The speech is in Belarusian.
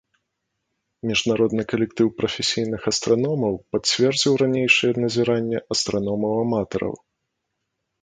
Міжнародны калектыў прафесійных астраномаў пацвердзіў ранейшае назіранне астраномаў-аматараў.